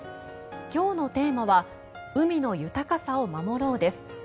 今日のテーマは「海の豊かさを守ろう」です。